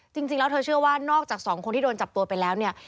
จริงแล้วเธอเชื่อว่านอกจากสองคนที่โดนจับตัวไปแล้วเนี่ย